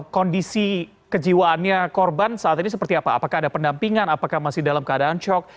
kondisi kejiwaannya korban saat ini seperti apa apakah ada pendampingan apakah masih dalam keadaan cok